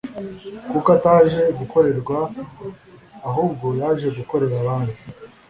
«Kuko ataje gukorerwa ahubwo yaje gukorera abandi.»